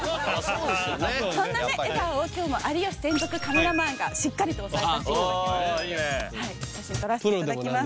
そんなね笑顔を今日も有吉専属カメラマンがしっかりと収めさせてああいいね撮らせていただきます